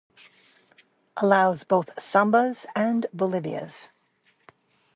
Allows both "sambas" and "bolivias".